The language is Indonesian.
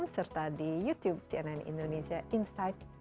serta di youtube cnn indonesia insight